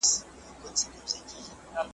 څوک به پوه سي چي له چا به ګیله من یې؟